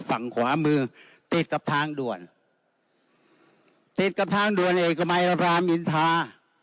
ฝั่งขวามือติดกับทางด่วนติดกับทางด่วนเอกมัยรามอินทรา